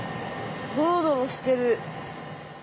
ドロドロしてる。